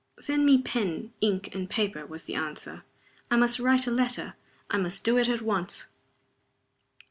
"Send me pen, ink, and paper," was the answer. "I must write a letter. I must do it at once."